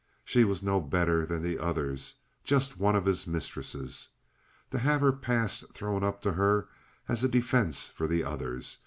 She was no better than the others—just one of his mistresses. To have her past thrown up to her as a defense for the others!